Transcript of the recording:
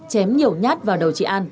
chém nhiều nhát vào đầu chị an